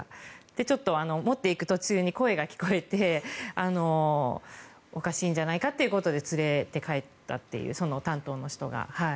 ちょっと持っていく途中に声が聞こえておかしいんじゃないかということで連れて帰ったとその担当の人が。